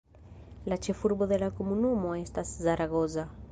La ĉefurbo de la komunumo estas Zaragoza.